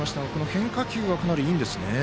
変化球はかなりいいんですね。